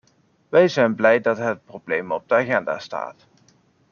Wij zijn blij dat het probleem op de agenda staat.